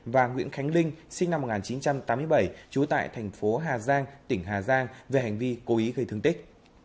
và nguyễn khánh linh sinh năm một nghìn chín trăm tám mươi bảy trú tại thành phố hà giang tỉnh hà giang về hành vi cố ý gây thương tích